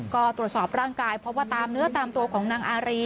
ก็ตรวจสอบร่างกายเพราะว่าตามเนื้อตามตัวของนางอารี